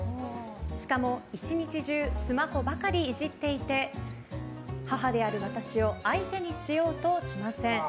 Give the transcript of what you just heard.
しかも、１日中スマホばかりいじっていて母である私を相手にしようとしません。